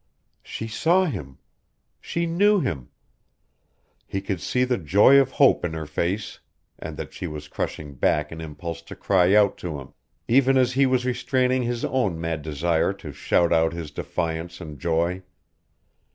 She saw him! She knew him! He could see the joy of hope in her face and that she was crushing back an impulse to cry out to him, even as he was restraining his own mad desire to shout out his defiance and joy.